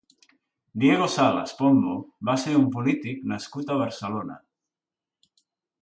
Diego Salas Pombo va ser un polític nascut a Barcelona.